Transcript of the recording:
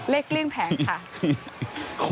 เลขเลี่ยงแผงค่ะ